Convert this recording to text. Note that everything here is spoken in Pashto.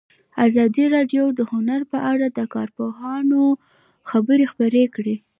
ازادي راډیو د هنر په اړه د کارپوهانو خبرې خپرې کړي.